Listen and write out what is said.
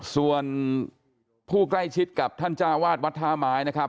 ส่วนผู้ใกล้ชิดกับท่านจ้าวาดวัดท่าไม้นะครับ